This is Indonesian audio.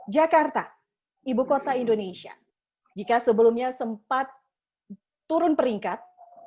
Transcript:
jakarta ibu kota indonesia jika sebelumnya sempat turun peringkat